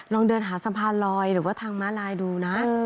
ลองเดินหาสะพานลอยหรือว่าทางม้าลายดูนะ